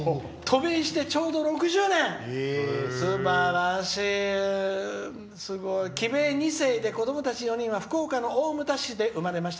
渡米してちょうど６０年帰米２世で子どもたち２人は福岡の大牟田市で生まれました。